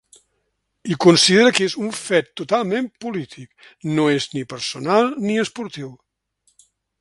I considera que és un fet totalment polític, no és ni personal ni esportiu.